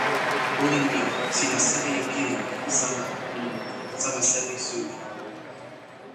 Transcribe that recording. olin mi o, sina seli e pilin mi, sama, n, sama seli suli.